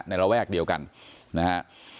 ระแวกเดียวกันนะฮะ